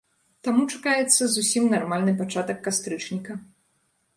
Таму чакаецца зусім нармальны пачатак кастрычніка.